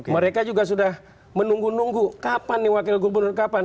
mereka juga sudah menunggu nunggu kapan nih wakil gubernur kapan